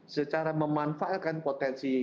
secara memanfaatkan potensi